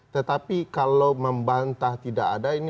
tetapi kalau membantah tidak ada yang bisa diketahui